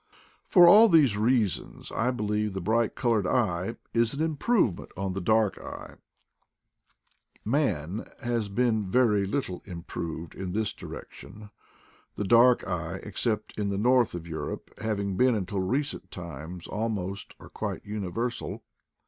For all these reasons I believe the bright colored eye is an improvement on the dark eye. 182 IDLE DAYS IN PATAGONIA Man has been very little improved in this direc tion, the dark eye, except in the north of Europe, having been, until recent times, almost or quite universal.